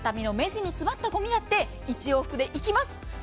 畳みの目地に詰まったごみだって１往復でいきます。